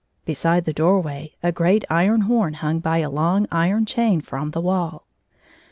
Beside the doorway a great iron horn hung by a long u on chain from the wall.